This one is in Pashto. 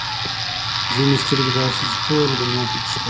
ځینې سترګې داسې دي چې ټوله دنیا پکې ښکاري.